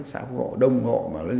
xã vũ thọ đông hộ